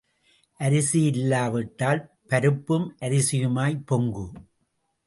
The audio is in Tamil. அரிசி இல்லாவிட்டால் பருப்பும் அரிசியுமாய்ப் பொங்கு.